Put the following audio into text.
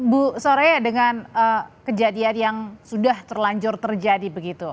bu sore dengan kejadian yang sudah terlanjur terjadi begitu